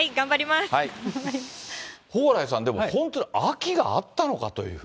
蓬莱さん、でも、本当に秋があったのかという。